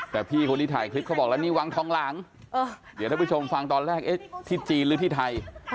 แต่พี่คนที่ถ่ายคลิปเขาบอกแล้วนี่วังทองหลังเดี๋ยวท่านผู้ชมฟังตอนแรกเอ๊ะที่จีนหรือที่ไทย